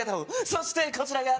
そしてこちらが。